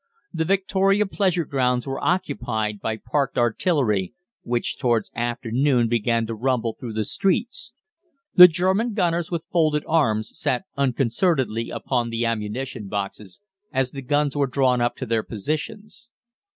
The Victoria Pleasure Grounds were occupied by parked artillery, which towards afternoon began to rumble through the streets. The German gunners, with folded arms, sat unconcernedly upon the ammunition boxes as the guns were drawn up to their positions.